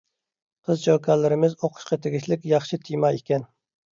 قىز-چوكانلىرىمىز ئوقۇشقا تېگىشلىك ياخشى تېما ئىكەن.